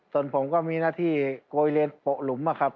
ส่วนผมก็มีหน้าที่โกยเรียนโปะหลุมนะครับ